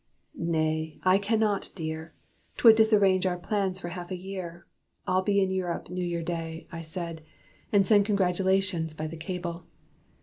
"Nay, I cannot, dear! 'Twould disarrange our plans for half a year. I'll be in Europe New Year day," I said, "And send congratulations by the cable."